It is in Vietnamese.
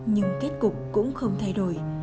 nhưng kết cục cũng không thay đổi